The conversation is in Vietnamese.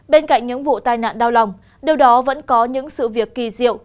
bên cạnh những vụ tai nạn đau lòng điều đó vẫn có những sự việc kỳ diệu